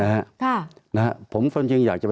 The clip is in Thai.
ตั้งแต่เริ่มมีเรื่องแล้ว